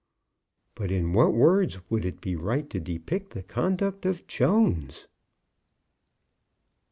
But in what words would it be right to depict the conduct of Jones?